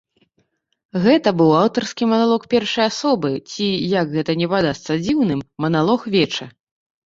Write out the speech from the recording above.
Гэта быў аўтарскі маналог першай асобы, ці, як гэта ні падасца дзіўным, маналог веча.